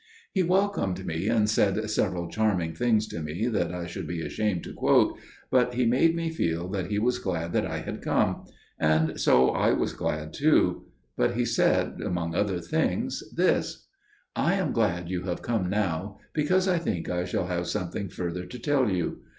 He welcomed me, and said several charming things to me that I should be ashamed to quote, but he made me feel that he was glad that I had come; and so I was glad too. But he said among other things this: "I am glad you have come now, because I think I shall have something further to tell you.